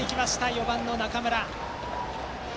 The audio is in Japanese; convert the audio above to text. ４番の中村。